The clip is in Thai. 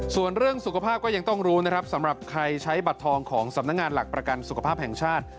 ส่วนเรื่องสุขภาพก็ยังต้องรู้นะครับสำหรับใครใช้บัตรทองของสำนักงานหลักประกันสุขภาพแห่งชาติ